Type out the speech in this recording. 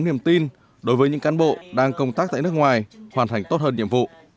niềm tin đối với những cán bộ đang công tác tại nước ngoài hoàn thành tốt hơn nhiệm vụ